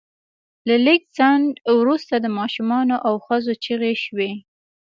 له لږ ځنډ وروسته د ماشومانو او ښځو چیغې شوې